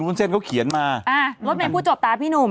ล็อตเมย์พูดจบตามพี่หนุ่ม